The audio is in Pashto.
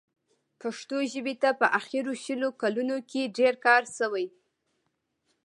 پښتو ژبې ته په اخرو شلو کالونو کې ډېر کار شوی.